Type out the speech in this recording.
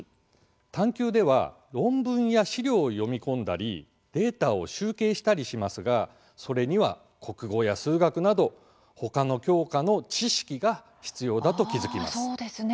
「探究」では論文や資料を読み込んだりデータを集計したりしますがそれには、国語や数学などほかの教科の知識が必要だと気付きます。